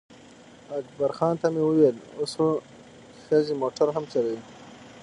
اکبرخان ته مې وویل اوس خو ښځې موټر هم چلوي.